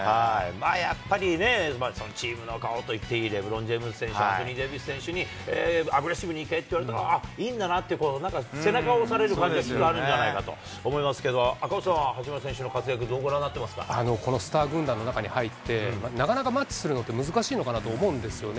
まあやっぱりね、チームの顔といっていい、レブロン・ジェームズ選手、アンソニー・デイビス選手にね、あっ、いいんだなっていう、背中を押される感じがあるんじゃないかと思いますけど、赤星さんは、八村選手の活躍、どうご覧にこのスター軍団の中に入って、なかなかマッチするのって難しいのかなと思うんですよね。